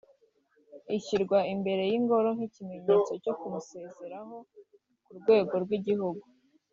ishyirwa imbere y’Ingoro nk’ikimenyetso cyo kumusezeraho ku rwego rw’igihugu